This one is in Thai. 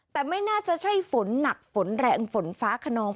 แต่ไม่น่าจะใช่ฝนหนักฝนแรงฝนฟ้าขนอง